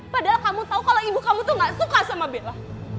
padahal kamu tahu kalau ibu kamu tuh gak suka sama bella